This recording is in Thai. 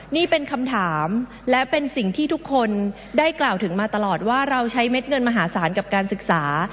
นี่เป็นคำถามและเป็นสิ่งที่ทุกคนได้กล่าวถึงมาตลอดว่าเราใช้เม็ดเงินมหาศาลกับการศึกษา